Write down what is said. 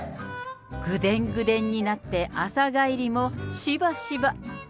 ぐでんぐでんになって朝帰りもしばしば。